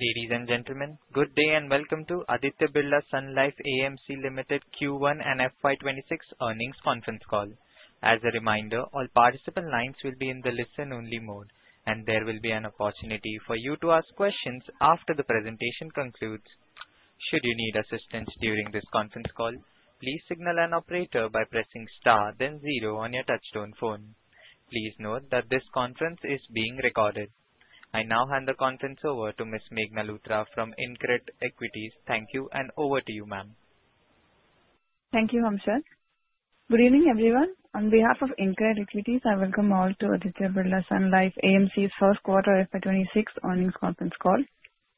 Ladies and gentlemen, good day and welcome to Aditya Birla Sun Life AMC Limited Q1 and FY2026 Earnings Conference Call. As a reminder, all participant lines will be in the listen-only mode, and there will be an opportunity for you to ask questions after the presentation concludes. Should you need assistance during this conference call, please signal an operator by pressing star then zero on your touchtone phone. Please note that this conference is being recorded. I now hand the conference over to Ms. Meghna Luthra from InCred Equities. Thank you, and over to you, ma'am. Thank you, Hamsheh. Good evening, everyone. On behalf of InCred Equities, I welcome all to Aditya Birla Sun Life AMC Limited's first quarter FY2026 Earnings Conference Call.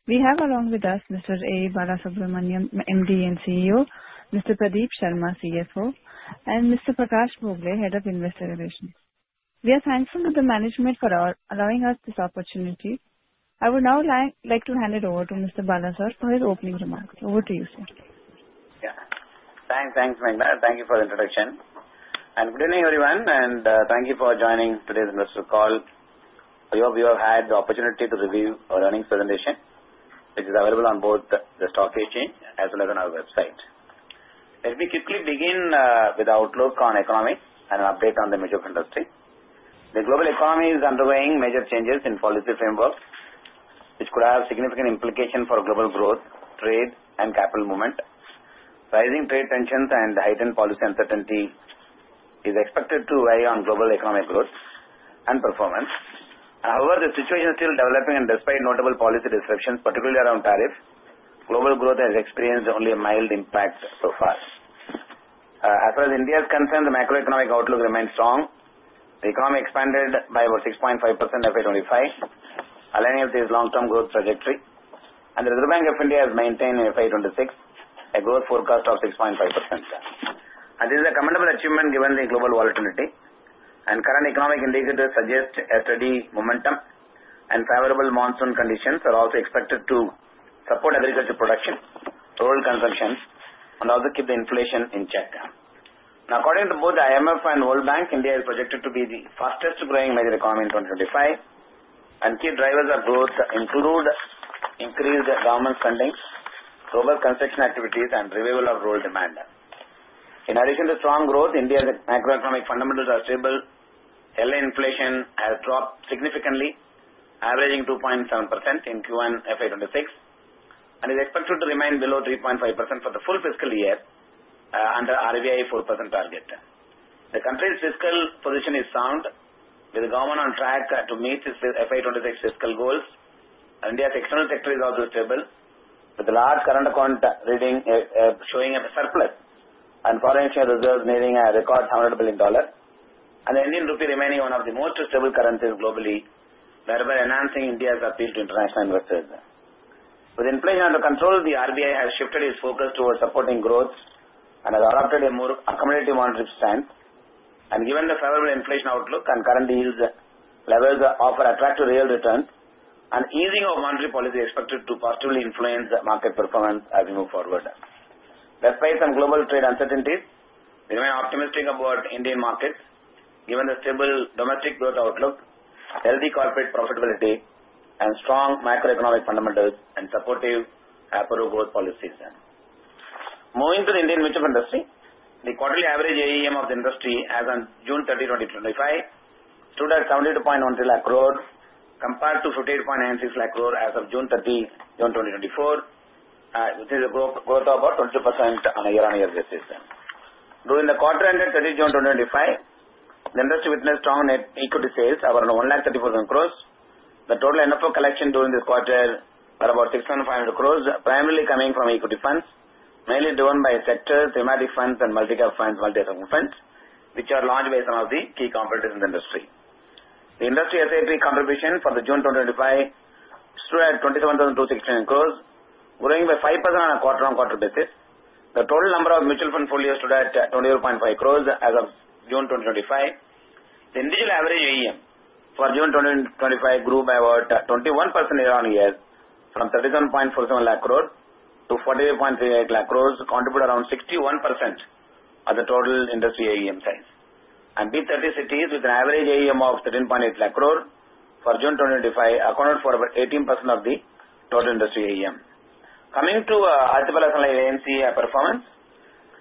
We have along with us Mr. A. Balasubramanian, MD and CEO, Mr. Pradeep Sharma, CFO, and Mr. Prakash Bhogale, Head of Investor Relations. We are thankful to the management for allowing us this opportunity. I would now like to hand it over to Mr. Balasubramanian for his opening remarks. Over to you, sir. Yeah, thanks, thanks, Meghna. Thank you for the introduction. Good evening, everyone, and thank you for joining today's investor call. I hope you have had the opportunity to review our earnings presentation, which is available on both the stock exchange as well as on our website. Let me quickly begin with the outlook on the economy and an update on the major industry. The global economy is undergoing major changes in policy frameworks, which could have significant implications for global growth, trade, and capital movement. Rising trade tensions and heightened policy uncertainty are expected to weigh on global economic growth and performance. However, the situation is still developing, and despite notable policy disruptions, particularly around tariffs, global growth has experienced only a mild impact so far. As far as India is concerned, the macroeconomic outlook remains strong. The economy expanded by about 6.5% in FY2025, aligning with its long-term growth trajectory. The Reserve Bank of India has maintained a FY2026 growth forecast of 6.5%. This is a commendable achievement given the global volatility. Current economic indicators suggest a steady momentum, and favorable monsoon conditions are also expected to support agriculture production, rural consumption, and also keep the inflation in check. According to both the IMF and World Bank, India is projected to be the fastest-growing major economy in 2025. Key drivers of growth include increased government spending, global construction activities, and the renewal of rural demand. In addition to strong growth, India's macroeconomic fundamentals are stable. Early inflation has dropped significantly, averaging 2.7% in Q1 FY2026, and is expected to remain below 3.5% for the full fiscal year under the RBI 4% target. The country's fiscal position is sound, with the government on track to meet its FY2026 fiscal goals. India's external sector is also stable, with the large current account reading showing a surplus and foreign share reserves nearing a record $100 billion, and the Indian rupee remaining one of the most stable currencies globally, thereby enhancing India's appeal to international investors. With inflation under control, the RBI has shifted its focus towards supporting growth and has adopted a more accommodative monetary stance. Given the favorable inflation outlook and current yield levels, it offers attractive yield returns, and the easing of monetary policy is expected to positively influence market performance as we move forward. Despite some global trade uncertainties, we remain optimistic about the Indian market, given the stable domestic growth outlook, healthy corporate profitability, strong macroeconomic fundamentals, and supportive macro-growth policies. Moving to the Indian mutual fund industry, the quarterly average AUM of the industry as of June 30, 2025, stood at INR 72.13 trillion, compared to INR 58.96 trillion as of June 30, 2024, which is a growth of about 22% on a year-on-year basis. During the quarter ended June 30, 2025, the industry witnessed strong equity sales of around 1.034 trillion. The total NFO collection during this quarter was about 6.5 billion, primarily coming from equity funds, mainly driven by sector funds, thematic funds, and multi-cap funds, which are large by some of the key competitors in the industry. The industry SIP contribution for June 2025 stood at 272.16 billion, growing by 5% on a quarter-on-quarter basis. The total number of mutual fund holders stood at 285 million as of June 2025. The individual average AUM for June 2025 grew by about 21% year-on-year, from 37.47 trillion to 48.38 trillion, contributing around 61% of the total industry AUM size. B30 cities, with an average AUM of 1.38 trillion for June 2025, accounted for about 18% of the total industry AUM. Coming to Aditya Birla Sun Life AMC Limited performance,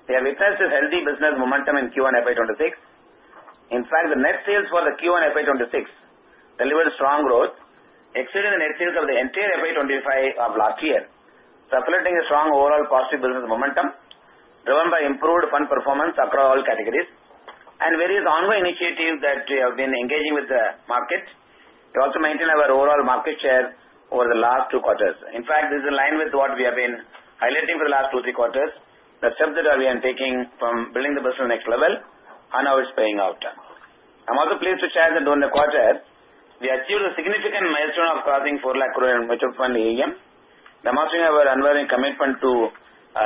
we have witnessed a healthy business momentum in Q1 FY2026. In fact, the net sales for Q1 FY2026 delivered strong growth, exceeding the net sales of the entire FY2025, circulating a strong overall positive business momentum driven by improved fund performance across all categories and various ongoing initiatives that we have been engaging with the market. We also maintained our overall market share over the last two quarters. This is in line with what we have been highlighting for the last two or three quarters, the steps that we are taking from building the business to the next level and how it's paying out. On the place to shine during the quarter, we achieved a significant milestone of crossing 4 trillion in mutual fund AUM. The most we have done was commitment to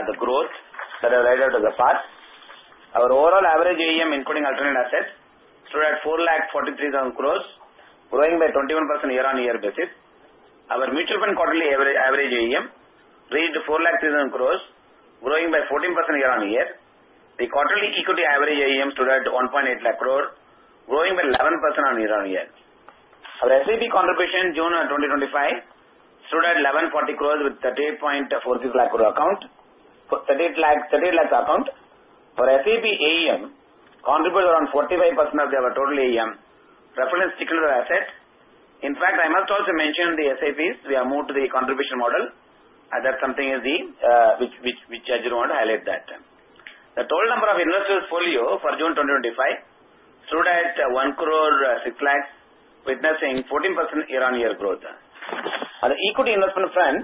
the growth that has risen out of the past. Our overall average AUM, including alternate assets, stood at 4.43 trillion, growing by 21% year-on-year. Our mutual fund quarterly average AUM reached 4.3 trillion, growing by 14% year-on-year. The quarterly equity average AUM stood at 1.8 trillion, growing by 11% year-on-year. Our SIP contribution in June 2025 stood at 11.4 billion with 3.846 million accounts. For 3.8 million accounts, our SIP AUM contributed around 45% of our total AUM, referenced signature asset. In fact, I must also mention the SIPs we have moved to the contribution model. That's something which I just wanted to highlight. The total number of investors' portfolio for June 2025 stood at 10.6 million, witnessing 14% year-on-year growth. On the equity investment front,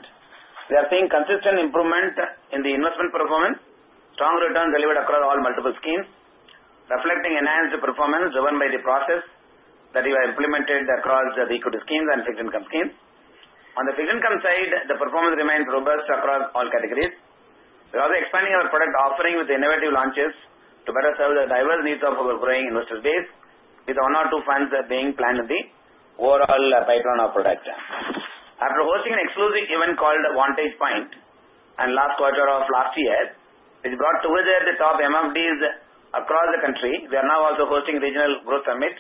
we are seeing consistent improvement in the investment performance, strong returns delivered across all multiple schemes, reflecting enhanced performance driven by the process that we have implemented across the equity schemes and fixed income schemes. On the fixed income side, the performance remains robust across all categories. We are also expanding our product offering with innovative launches to better serve the diverse needs of our growing investor base, with one or two funds being planned in the overall pipeline of products. After hosting an exclusive event called Vantage Point in the last quarter of last year, which brought together the top MFDs across the country, we are now also hosting a regional growth summit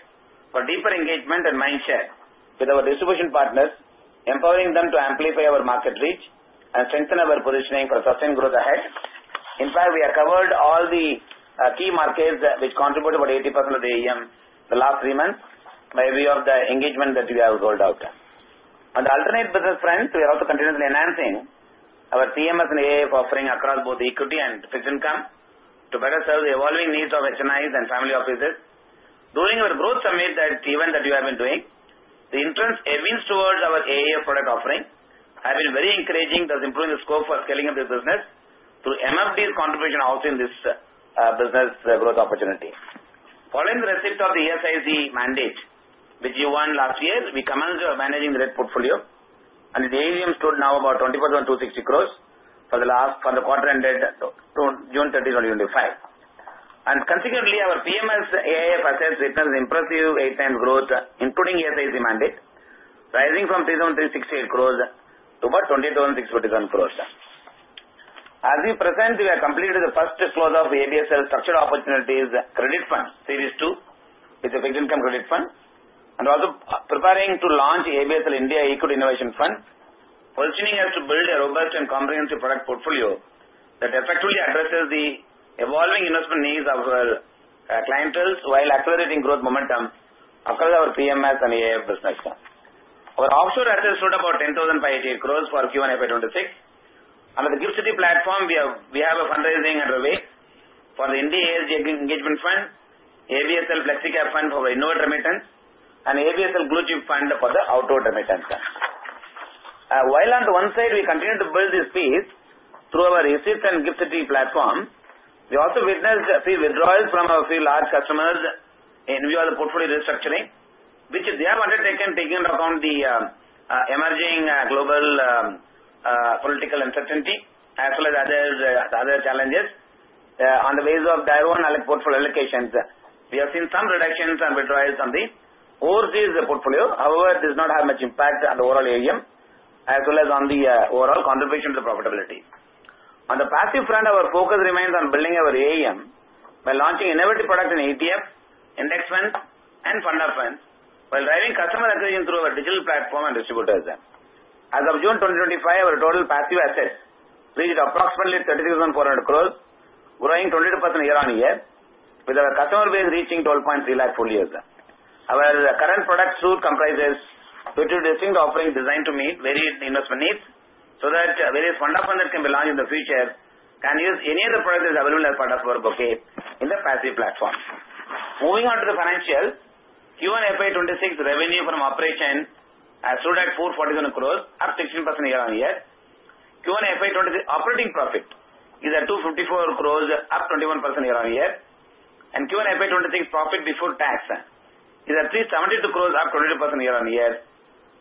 for deeper engagement and mind share with our distribution partners, empowering them to amplify our market reach and strengthen our positioning for sustained growth ahead. In fact, we have covered all the key markets, which contribute about 80% of the AUM in the last three months by way of the engagement that we have rolled out. On the alternate business front, we are also continuously enhancing our PMS and AIF offering across both equity and fixed income to better serve the evolving needs of HNIs and family offices. During our growth summit event that we have been doing, the interest ebbing towards our AIF product offering has been very encouraging, thus improving the scope for scaling up the business through MFDs' contribution also in this business growth opportunity. Following the receipt of the ESIC mandate, which we won last year, we commenced managing the rate portfolio, and the AUM stood now at about 24.26 billion for the last quarter ended on June 30, 2025. Our TMS and alternate assets fund assets witnessed impressive eight-time growth, including the ESIC mandate, rising from 3,368 crore to about 20,627 crore. As we present, we have completed the first close of the ABSL Structured Opportunities Credit Fund Series 2 with the fixed income credit fund and are also preparing to launch the ABSL India Equity Innovation Fund, fortuning us to build a robust and comprehensive product portfolio that effectively addresses the evolving investment needs of our clientele while accelerating growth momentum across our TMS and alternate assets business. Our offshore assets stood at about 10,518 crore for Q1 FY2026. Under the GIFT City platform, we have fundraising underway for the India AAS Engagement Fund, ABSL FlexiCare Fund for our inward remittance, and ABSL Blue Chip Fund for the outward remittance. While on one side, we continue to build these fees through our receipts and GIFT City platform, we also witnessed a few withdrawals from a few large customers in view of the portfolio restructuring, which they have undertaken, taking into account the emerging global political uncertainty, as well as other challenges on the basis of their own portfolio allocations. We have seen some reductions and withdrawals on the overseas portfolio. However, it does not have much impact on the overall AUM, as well as on the overall contribution to the profitability. On the passive front, our focus remains on building our AUM by launching innovative products in ETFs, index funds, and fund of funds, while driving customer acquisition through our digital platform and distributors. As of June 2025, our total passive assets reached approximately 30,400 crore, growing 22% year-on-year, with our customer base reaching 12.3 lakh followers. Our current product suite comprises two distinct offerings designed to meet various investment needs so that various fund of funds that can be launched in the future can use any of the products available as part of our bucket in the passive platforms. Moving on to the financials, Q1 FY2026 revenue from operations has stood at 447 crore, up 16% year-on-year. Q1 FY2026 operating profit is at 254 crore, up 21% year-on-year. Q1 FY2026 profit before tax is at 372 crore, up 22% year-on-year.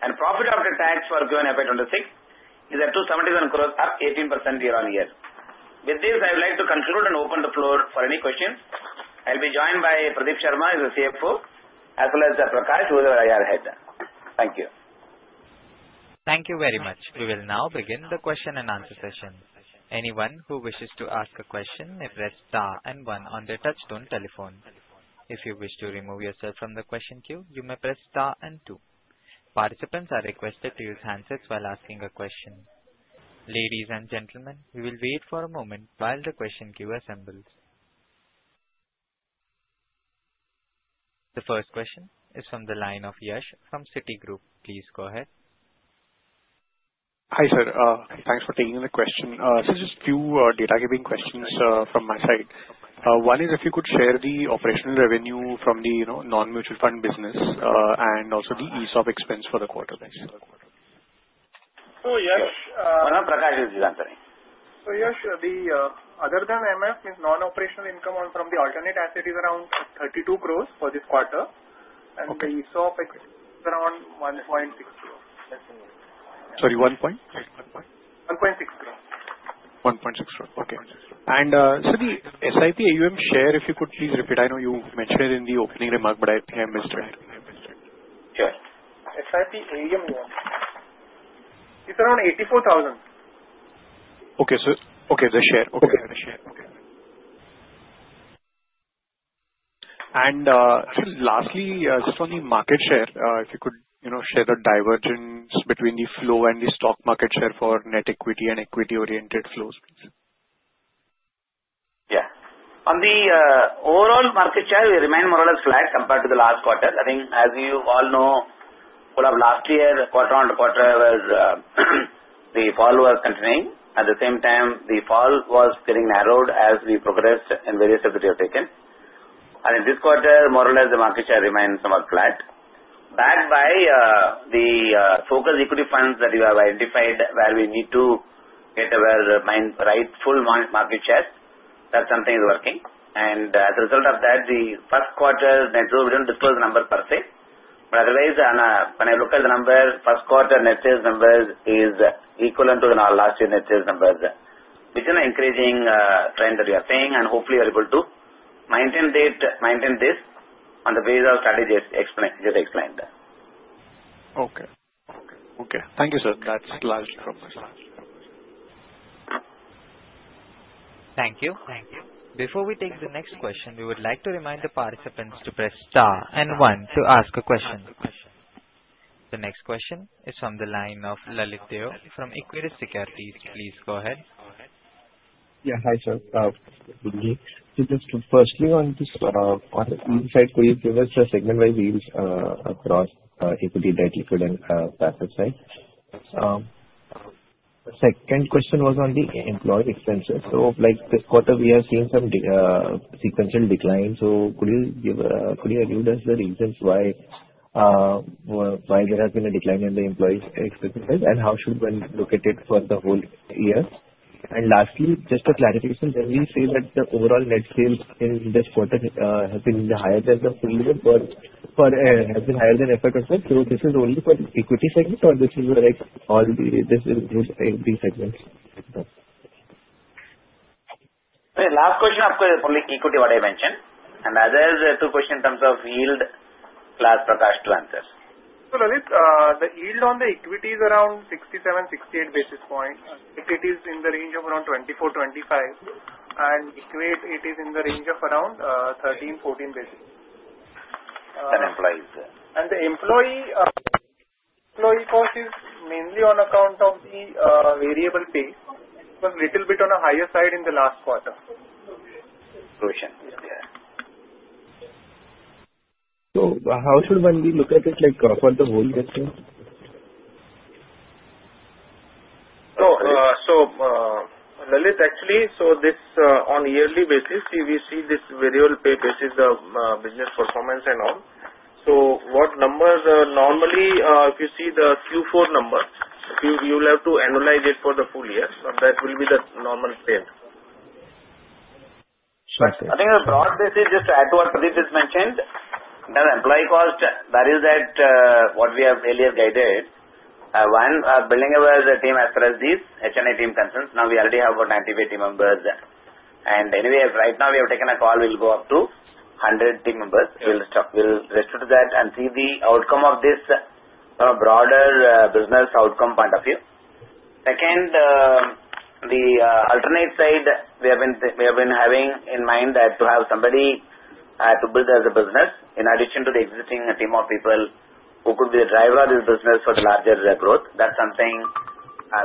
Profit after tax for Q1 FY2026 is at 277 crore, up 18% year-on-year. With this, I would like to conclude and open the floor for any questions. I'll be joined by Pradeep Sharma as the CFO, as well as Prakash Bhogale, our Head of Investor Relations. Thank you. Thank you very much. We will now begin the question and answer session. Anyone who wishes to ask a question may press star and one on the touchtone telephone. If you wish to remove yourself from the question queue, you may press star and two. Participants are requested to use handsets while asking a question. Ladies and gentlemen, we will wait for a moment while the question queue assembles. The first question is from the line of Yash from Citigroup. Please go ahead. Hi, sir. Thanks for taking the question. Just a few data giving questions from my side. One is if you could share the operational revenue from the non-mutual fund business and also the ESOP expense for the quarter, by single quarter. Oh, yes. Pardon? Prakash Bhogale is just answering. Oh, yes. Other than mutual funds, non-operational income from the alternate assets is around 32 crore for this quarter. The ESOP expense is around 1.6 crore. Sorry, 1.6? 1.6 crore. 1.6 crore. Okay. Sir, SIP AUM share, if you could please repeat. I know you mentioned it in the opening remark, but I think I missed it. Sure. SIP AUM, it's around 84,000 million. Okay, the share. Okay, the share. Okay. Lastly, just on the market share, if you could share the divergence between the flow and the stock market share for net equity and equity-oriented flows, please. Yeah. On the overall market share, we remain more or less flat compared to the last quarter. I think, as you all know, over the last year, quarter on quarter, the fall was continuing. At the same time, the fall was getting narrowed as we progressed in various steps that we have taken. In this quarter, more or less, the market share remains somewhat flat, backed by the focused equity funds that we have identified where we need to get to the rightful market share. That's something that's working. As a result of that, the first quarter net zero didn't disclose the number per se. Otherwise, when I look at the number, first quarter net sales numbers are equivalent to our last year's net sales numbers, which is an encouraging trend that we are seeing. Hopefully, we are able to maintain this on the basis of the strategies just explained. Okay. Thank you, sir. That's the last from my side. Thank you. Thank you. Before we take the next question, we would like to remind the participants to press star and one to ask a question. The next question is from the line of Lalit Deo from Equirus Securities. Please go ahead. Hi, sir. Good evening. Firstly, on the company side, we've reversed the segment by wage across equity and equity and passive side. The second question was on the employee expenses. This quarter, we are seeing some sequential declines. Could you give us the reasons why there has been a decline in the employee expenses? How should we look at it for the whole year? Lastly, just a clarification. Does it say that the overall net sales in this quarter have been higher than the prior year or have been higher than FY2025? Is this only for the equity segment, or does this include every segment? The last question is for the equity what I mentioned. The other two questions in terms of yield, Prakash to answer. Lalit, the yield on the equity is around 67, 68 basis points. It is in the range of around 24, 25. Equity is in the range of around 13, 14 basis points. And employees? The employee cost is mainly on account of the variable pay. It was a little bit on the higher side in the last quarter. Okay. Solution. Yeah. How should one be looking at it across the whole industry? Lalit, actually, this on a yearly basis, we see this variable pay basis business performance and all. What numbers normally, if you see the Q4 numbers, you will have to analyze it for the full year. That will be the normal trend. Sure. I think on a broad basis, just to add to what Lalit has mentioned, the employee cost varies at what we have earlier guided. One, building our team as far as this H&A team concerns, now we already have about 90-80 members. Anyway, right now, we have taken a call. We'll go up to 100 team members. We'll structure, we'll register that and see the outcome of this from a broader business outcome point of view. Second, the alternate side, we have been having in mind that to have somebody to build as a business in addition to the existing team of people who could be a driver of this business for the larger growth. That's something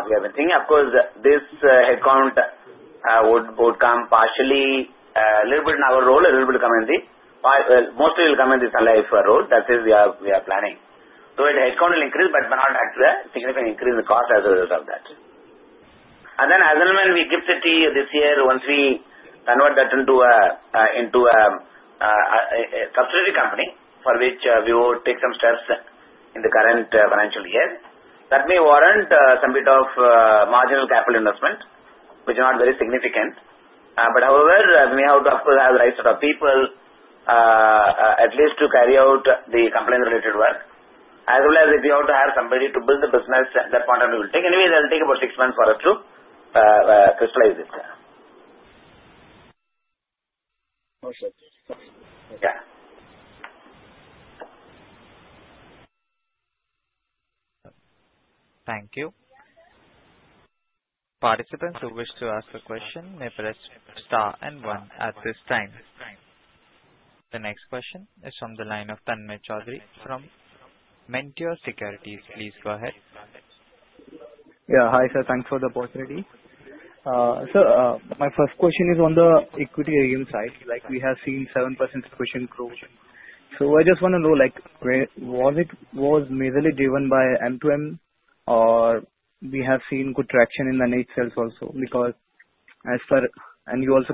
we have been thinking. Of course, this headcount would come partially a little bit in our role, a little bit come in the mostly will come in the Sun Life role. That is, we are planning. The headcount will increase, but not actually a significant increase in the cost as a result of that. As and when we get to this year, once we convert that into a subsidiary company, for which we will take some steps in the current financial year, that may warrant some bit of marginal capital investment, which is not very significant. However, we may have to, of course, have the right set of people at least to carry out the company-related work. As well as if we want to hire somebody to build the business, that quantum will take. Anyway, that will take about six months for us to crystallize it. Thank you. Participants who wish to ask a question may press star and one at this time. The next question is from the line of Tanmay Chaudhry from Mentor Securities. Please go ahead. Yeah. Hi, sir. Thanks for the opportunity. My first question is on the equity AUM side. We have seen 7% cushion growth. I just want to know, was it majorly driven by M2M, or have we seen good traction in the net sales also? As per, can you also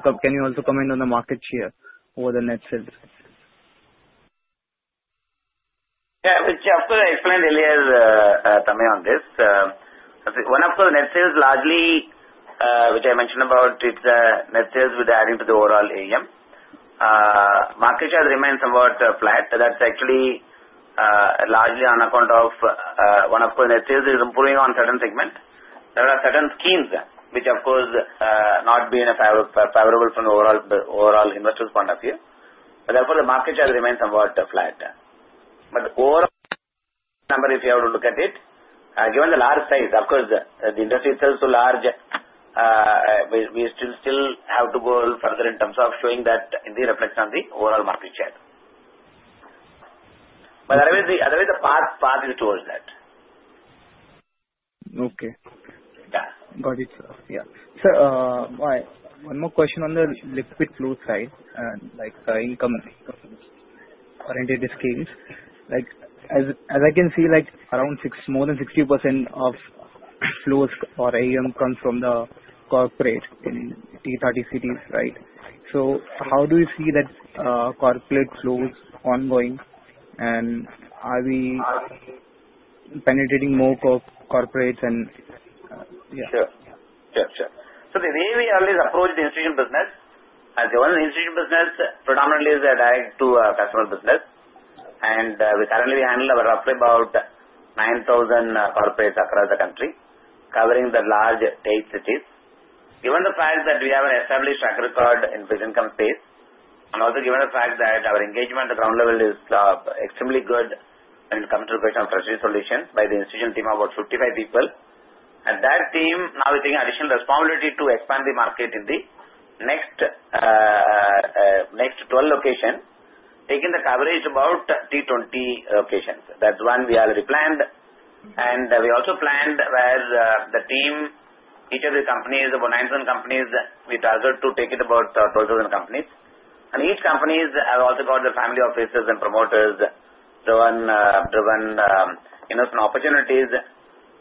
comment on the market share over the net sales? Yeah. I mean, just to explain earlier, Tanmay, on this. I think one of the net sales, largely, which I mentioned about, it's the net sales with adding to the overall AUM. Market share has remained somewhat flat. That's actually largely on account of one of the net sales is improving on certain segments. There are certain schemes which, of course, have not been favorable from the overall investors' point of view. Therefore, the market share remains somewhat flat. The overall number, if you have to look at it, given the large size, of course, the industry itself is too large. We still have to go further in terms of showing that in the reflection on the overall market share. Otherwise, the path is towards that. Okay. Got it. Sir, one more question on the liquid flow side, like income-oriented schemes. As I can see, around more than 60% of flows or AUM comes from the corporate in T30 cities, right? How do you see that corporate flows ongoing? Are we penetrating more corporates? Sure. The way we always approach the institutional business, given the institutional business predominantly is that I do a customer business. We currently handle roughly about 9,000 corporates across the country, covering the large eight cities. Given the fact that we have an established track record in the fixed income space, and also given the fact that our engagement at the ground level is extremely good, we'll come to the question of first aid solutions by the institutional team of about 55 people. That team is now taking additional responsibility to expand the market in the next 12 locations, taking the coverage to about T20 locations. That's one we already planned. We also planned where the team, each of the companies, about 9,000 companies, we target to take it to about 12,000 companies. Each company has also got the family offices and promoters driven from opportunities.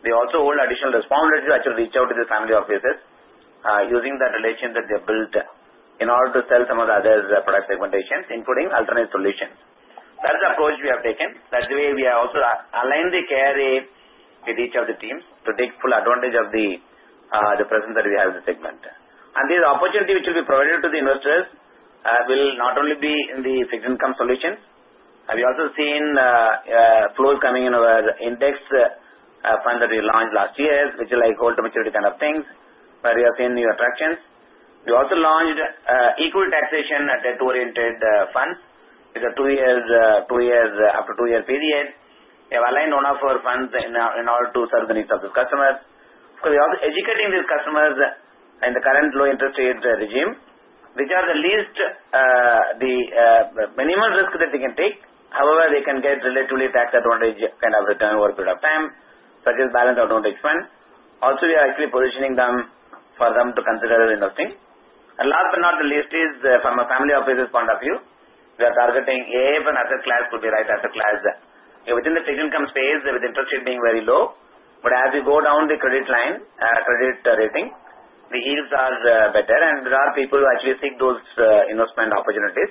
They also hold additional responsibility to actually reach out to the family offices using that relation that they have built in order to sell some of the other product segmentations, including alternate solutions. That's the approach we have taken. That's the way we have also aligned the care with each of the teams to take full advantage of the presence that we have in the segment. These opportunities which will be provided to the investors will not only be in the fixed income solutions. We've also seen flows coming in our index fund that we launched last year, which is like old maturity kind of things, where we are seeing new attractions. We also launched equal taxation attention-oriented funds with a two-year, up to two-year period. We have aligned one of our funds in order to serve the needs of the customers. We're also educating these customers in the current low interest rates regime, which are the least, the minimal risk that they can take. However, they can get relatively tax advantage kind of return over a period of time, such as balance advantage fund. We are actually positioning them for them to consider investing. Last but not the least, from a family offices point of view, we are targeting AF and asset class. Could we write asset class within the fixed income space with interest rate being very low? As we go down the credit line, credit rating, the yields are better, and there are people who actually seek those investment opportunities.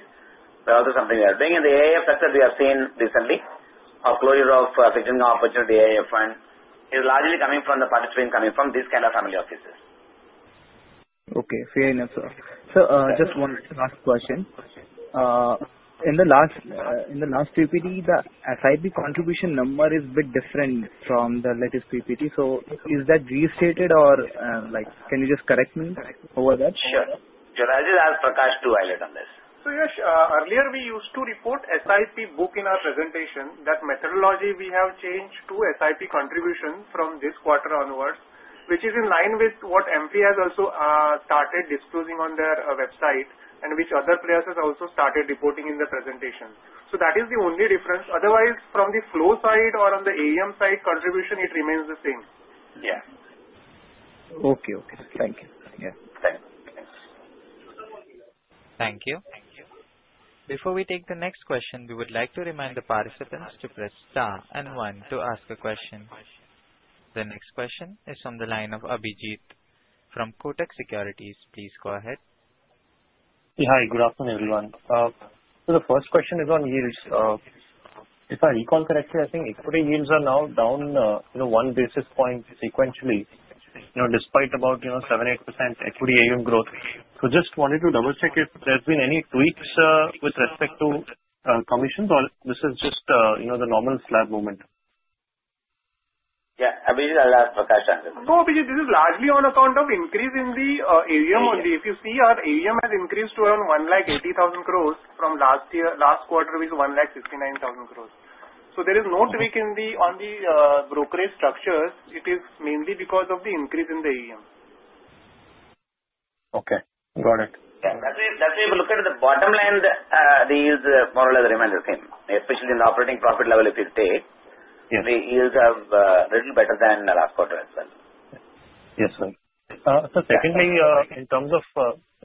That's also something we are doing. The AF sector, we have seen recently, a flurry of fixed income opportunities in the AF fund is largely coming from the participants coming from this kind of family offices. Okay. Fair enough, sir. Just one last question. In the last PPT, the SIP contribution number is a bit different from the latest PPT. Is that restated, or can you just correct me over that? Sure. I'll just ask Prakash to highlight on this. Yash, earlier, we used to report SIP book in our presentation. That methodology we have changed to SIP contribution from this quarter onwards, which is in line with what MTI has also started disclosing on their website and which other players have also started reporting in the presentation. That is the only difference. Otherwise, from the flow side or on the AUM side, contribution, it remains the same. Yeah. Okay. Thank you. Yeah. Thanks. Thank you. Before we take the next question, we would like to remind the participants to press star and one to ask a question. The next question is from the line of Abhijit from Kotak Securities. Please go ahead. Hi. Good afternoon, everyone. The first question is on yields. If I recall correctly, I think equity yields are now down 1 basis point sequentially, you know, despite about 78% equity AUM growth. I just wanted to double-check if there have been any tweaks with respect to commissions, or this is just, you know, the normal slab momentum? Yeah, Abhijit, I'll ask Prakash to answer. No, Abhijit, this is largely on account of increase in the AUM. If you see, our AUM has increased to around 1,80,000 crore from last year, last quarter, which is 1,69,000 crore. There is no tweak in the brokerage structures. It is mainly because of the increase in the AUM. Okay. Got it. That's why if you look at the bottom line, the yields more or less remain the same, especially at the operating profit level. If you take, the yields have risen better than last quarter as well. Yes, sir. Secondly, in terms of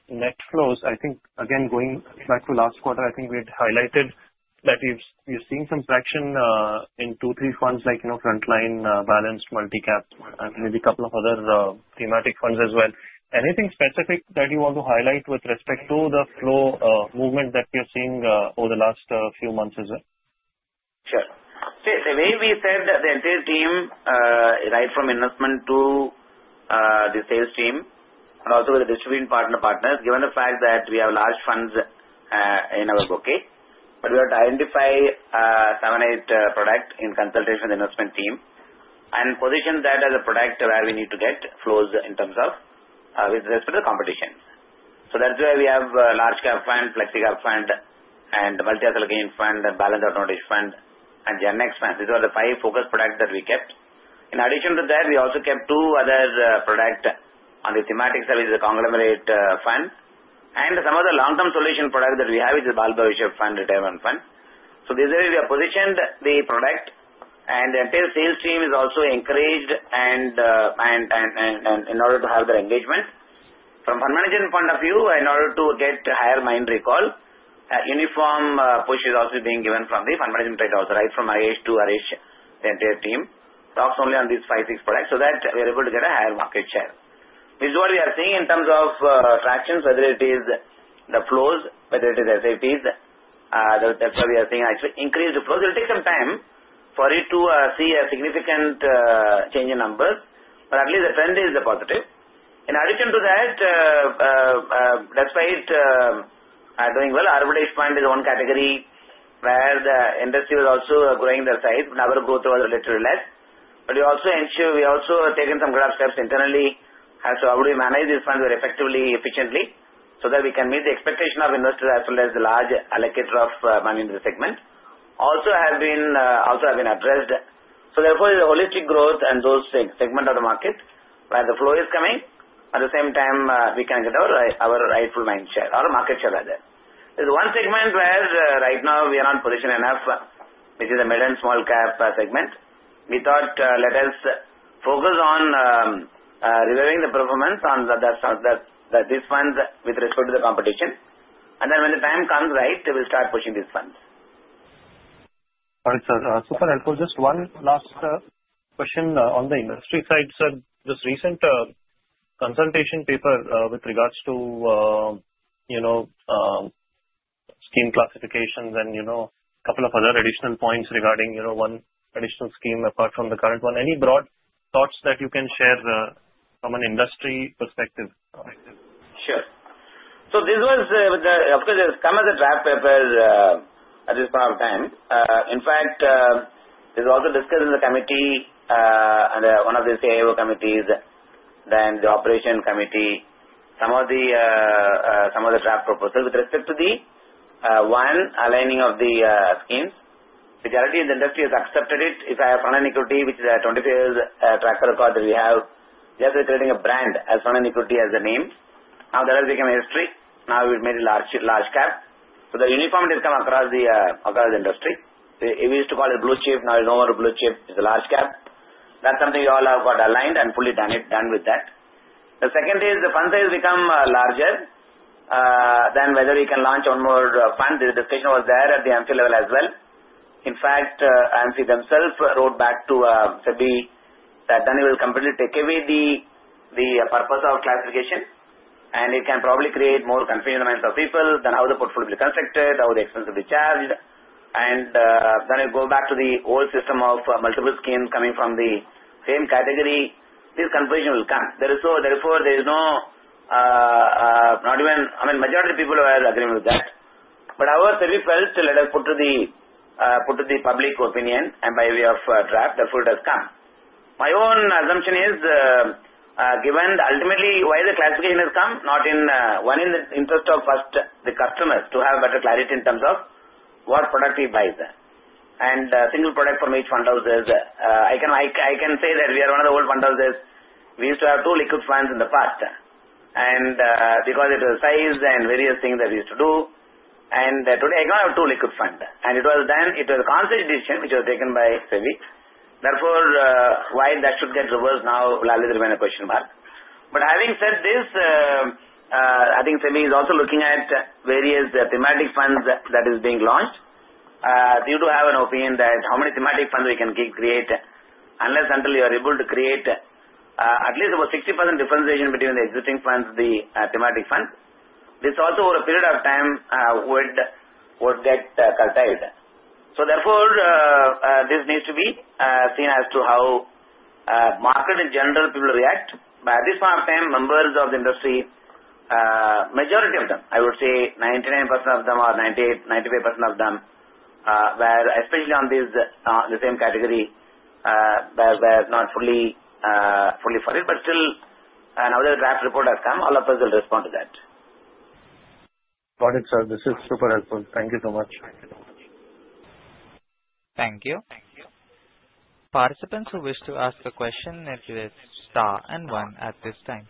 net flows, I think, again, going back to last quarter, I think we had highlighted that you're seeing some traction in two, three funds, like frontline balanced multi-cap and maybe a couple of other thematic funds as well. Anything specific that you want to highlight with respect to the flow movement that we are seeing over the last few months as well? Sure. The way we said that the enterprise team is right from investment to the sales team and also with the distributing partners, given the fact that we have large funds in our bouquet, we want to identify seven or eight products in consultation with the investment team and position that as a product where we need to get flows in terms of with respect to the competition. That's why we have a large cap fund, flexi-cap fund, the multi-asset fund, balance advantage fund, and GenX fund. These are the five focus products that we kept. In addition to that, we also kept two other products on the thematics of the conglomerate fund and some of the long-term solution products that we have, which is the Balbaushev Fund Retirement Fund. This is the way we have positioned the product. The entire sales team is also encouraged in order to have their engagement. From a fund management point of view, in order to get higher mind recall, a uniform push is also being given from the fund management side also, right from Haresh to Haresh, the entire team talks only on these five, six products so that we are able to get a higher market share. This is what we are seeing in terms of traction, whether it is the flows, whether it is SIPs. That's why we are seeing actually increased flows. It will take some time for it to see a significant change in numbers, but at least the trend is positive. In addition to that, that's why it's doing well. Arbitrage fund is one category where the industry was also growing their side, but our growth was a little less. We also have taken some growth steps internally as to how do we manage these funds very effectively, efficiently so that we can meet the expectation of investors as well as the large allocator of money in the segment. Also have been addressed. Therefore, the holistic growth and those segments of the market where the flow is coming, at the same time, we can get our rightful mind share, our market share, rather. There's one segment where right now we are not positioned enough, which is the middle and small cap segment. We thought, let us focus on reviewing the performance on that fund with respect to the competition. When the time comes, we'll start pushing this fund. All right, sir. Super helpful. Just one last question on the industry side, sir. This recent consultation paper with regards to scheme classifications and a couple of other additional points regarding one additional scheme apart from the current one. Any broad thoughts that you can share from an industry perspective? Sure. This was, of course, it's come as a draft paper at this point of time. In fact, it was also discussed in the committee under one of the CIO committees and the operation committee, some of the draft proposals with respect to the one aligning of the schemes. Majority of the industry has accepted it. If I have frontline equity, which is a 20-year track record that we have, just with creating a brand as frontline equity as a name. Now that has become a history. Now we've made it large cap. The uniform has come across the industry. We used to call it Blue Chip. Now you know what a Blue Chip is, a large cap. That's something we all have got aligned and fully done with that. The second is the fund size has become larger. Whether you can launch one more fund, the discussion was there at the MT level as well. MT themselves wrote back to SEBI that then it will completely take away the purpose of classification. It can probably create more confusion amongst the people than how the portfolio will be constructed, how the expenses will be charged. It will go back to the old system of multiple schemes coming from the same category. This confusion will come. There is no, not even, I mean, majority of people are agreeing with that. Our service fails to let us put to the public opinion and by way of draft. Therefore, it has come. My own assumption is, given ultimately why the classification has come, not in one in the interest of first the customers to have better clarity in terms of what product we buy. A single product from each fund house. I can say that we are one of the old fund houses. We used to have two liquid funds in the past. Because of the size and various things that we used to do, today I don't have two liquid funds. It was then a concise decision, which was taken by SEBI. Why that should get reversed now will always remain a question mark. Having said this, I think SEBI is also looking at various thematic funds that are being launched. They do have an opinion that how many thematic funds we can create unless until you are able to create at least about 60% differentiation between the existing funds, the thematic funds. This also over a period of time would get curtailed. This needs to be seen as to how market in general people react. At this point of time, members of the industry, a majority of them, I would say 99% of them or 98%, 95% of them were especially on the same category, were not fully funded. Still, another draft report has come. All of us will respond to that. Got it, sir. This is super helpful. Thank you so much. Thank you. Participants who wish to ask a question may press star and one at this time.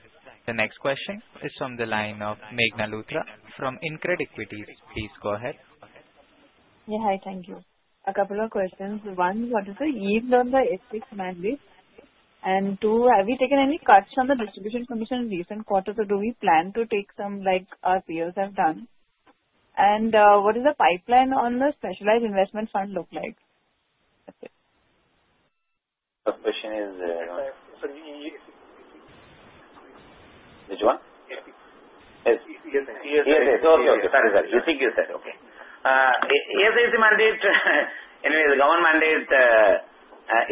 The next question is from the line of Meghna Luthra from InCred Equities. Please go ahead. Yeah. Hi. Thank you. A couple of questions. One, what is the yield on the ESIC mandate? Two, have we taken any cuts on the distribution commission in recent quarters, or do we plan to take some like our peers have done? What does the pipeline on the specialized investment fund look like? What question is there? Yes. Did you want? Yes. Yes, yes, yes. Sorry, sorry. Sorry. You think you said. Okay. ESIC mandate, anyway, the government mandate,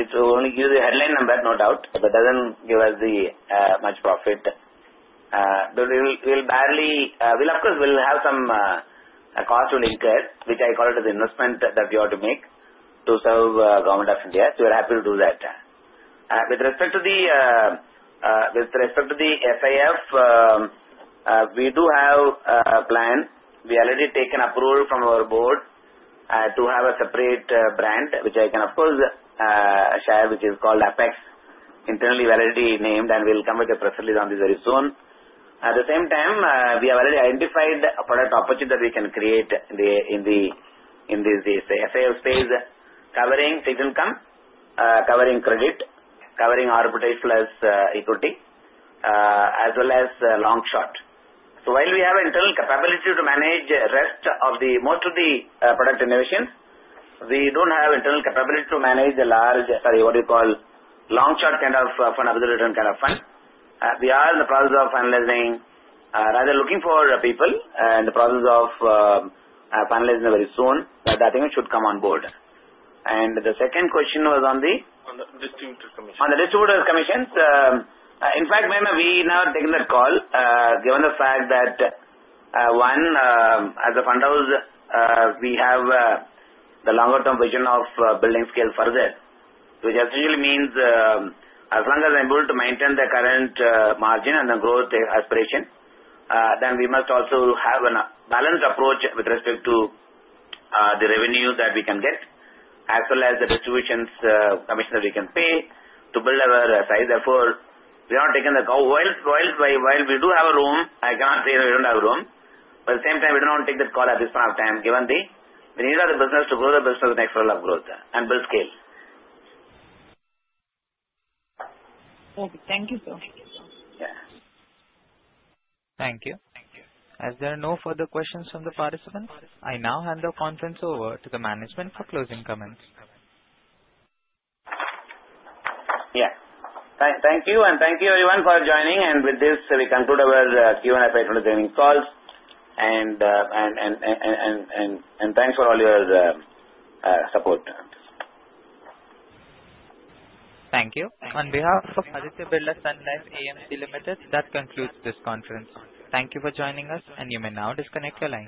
it only gives the headline number, no doubt, but doesn't give us much profit. We'll barely, of course, have some costs to declare, which I call it as an investment that we ought to make to serve the government of India. So we're happy to do that. With respect to the SAF, we do have a plan. We already taken approval from our Board to have a separate brand, which I can, of course, share, which is called Apex. Internally, we're already named, and we'll come with a press release on this very soon. At the same time, we have already identified a product opportunity that we can create in the SAF space, covering fixed income, covering credit, covering arbitrage plus equity, as well as long short. While we have internal capability to manage most of the product innovations, we don't have internal capability to manage the large, sorry, what do you call, long short kind of fund, absolution kind of fund. We are in the process of finalizing, rather than looking for people, and the process of finalizing very soon, but I think it should come on board. The second question was on the. On the distributor commission. On the distributor commission. In fact, Meghna, we have now taken that call, given the fact that, one, as a fund house, we have the longer-term vision of building scale further, which essentially means as long as I'm able to maintain the current margin and the growth aspiration, then we must also have a balanced approach with respect to the revenue that we can get, as well as the distribution commission that we can pay to build our side. Therefore, we aren't taking that call. While we do have room, I can't say we don't have room. At the same time, we don't want to take that call at this point of time, given the need of the business to grow the business to the next level of growth and build scale. Okay, thank you, sir. Thank you. Thank you. As there are no further questions from the participants, I now hand the conference over to the management for closing comments. Thank you. Thank you, everyone, for joining. With this, we conclude our Q&A calls. Thanks for all your support. Thank you. On behalf of Aditya Birla Sun Life AMC Limited, that concludes this conference. Thank you for joining us, and you may now disconnect your line.